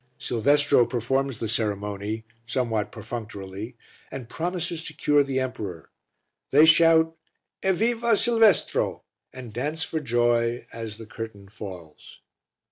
Silvestro performs the ceremony, somewhat perfunctorily, and promises to cure the emperor. They shout, "Evviva Silvestro!" and dance for joy as the curtain falls.